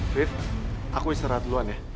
faith aku yang serah duluan ya